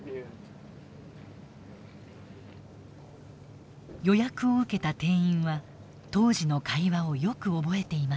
予約を受けた店員は当時の会話をよく覚えていました。